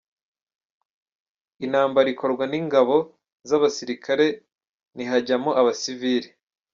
Intambara ikorwa n’ingabo z’abasirikare, ntihajyamo abasivili.